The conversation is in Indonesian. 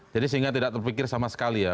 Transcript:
jadi sehingga tidak terpikir sama sekali ya